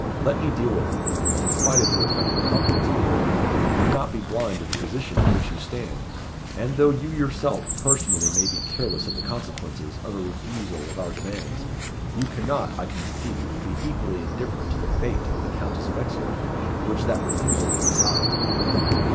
"Let me deal with him. In spite of your affected confidence, my lord, you cannot be blind to the position in which you stand. And though you yourself personally may be careless of the consequences of a refusal of our demands, you cannot, I conceive, be equally indifferent to the fate of the Countess of Exeter, which that refusal will decide."